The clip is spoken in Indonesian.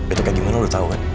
itu kayak gimana lo udah tahu kan